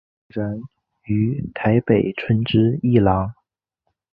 个展于台北春之艺廊。